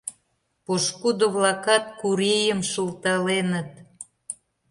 Пошкудо-влакат Курийым шылталеныт: